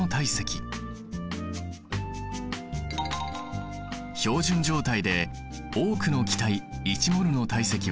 標準状態で多くの気体１ｍｏｌの体積は２２．４Ｌになる。